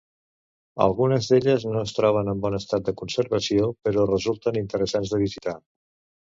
Algunes d'elles no es troben en bon estat de conservació, però resulten interessants de visitar.